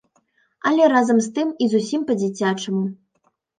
Але разам з тым і зусім па-дзіцячаму.